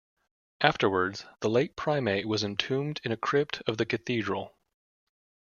Afterwards, the late primate was entombed in a crypt of the Cathedral.